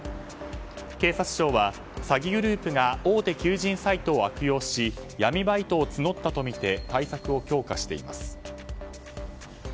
警察庁は、詐欺グループが大手求人サイトを悪用し闇バイトを募ったとみて対策を強化しています。